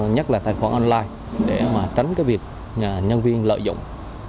nhất là tài khoản online để mà tránh cái việc nhân viên lợi dụng